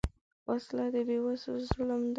وسله د بېوسو ظلم ده